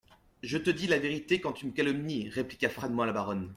Je te dis la vérité quand tu me calomnies, répliqua froidement la baronne.